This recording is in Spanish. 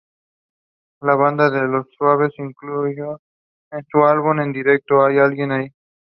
La banda Los Suaves incluyó en su álbum en directo "¿Hay alguien ahí?